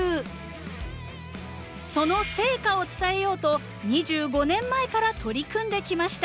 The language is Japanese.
その成果を伝えようと２５年前から取り組んできました。